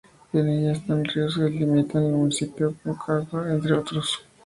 En ella están ríos que delimitan al municipio como el Caura, entre otros.